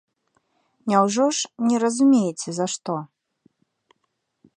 Няўжо ж не разумееце за што?